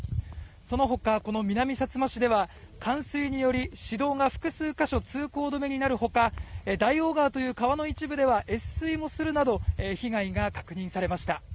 そのほか、この南さつま市では冠水により市道が複数箇所通行止めになるほか大王川という川の一部では越水もするなど被害が確認されました。